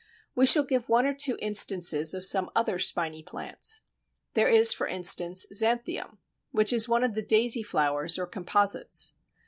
We shall give one or two instances of some other spiny plants. There is, for instance, Xanthium, which is one of the Daisy flowers or Composites.